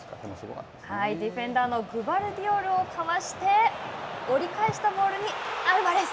ディフェンダーのグバルディオルをかわして折り返したボールにアルバレス。